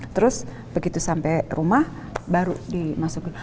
terus begitu sampai rumah baru dimasukin